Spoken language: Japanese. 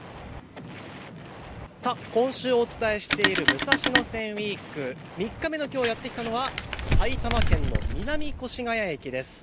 今週お伝えしている武蔵野線ウイーク、３日目のきょうやって来たのは埼玉県の南越谷駅です。